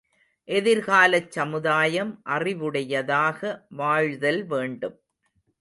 எதிர்காலச் சமுதாயம் அறிவுடையதாக வாழ்தல் வேண்டும்.